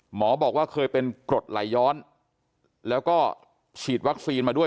หมอบอกว่าเคยเป็นกรดไหลย้อนแล้วก็ฉีดวัคซีนมาด้วย